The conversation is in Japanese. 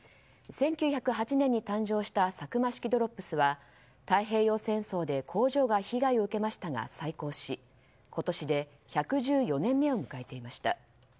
１９０８年に誕生したサクマ式ドロップスは太平洋戦争で工場が被害を受けましたが再興し今年で１１４年目を迎えていました。